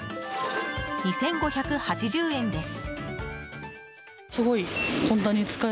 ２５８０円です。